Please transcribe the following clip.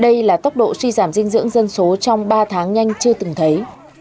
đây là tốc độ suy giảm dinh dưỡng dân số trong ba tháng nhanh chưa từng thấy